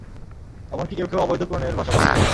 এমন কি কেউ কেউ অবৈধ প্রণয়ের ভাষাও ব্যবহার করে থাকেন।